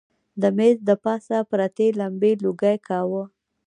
د مېز له پاسه پرتې لمبې لوګی کاوه.